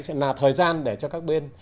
sẽ là thời gian để cho các bên